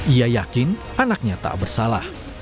ia yakin anaknya tak bersalah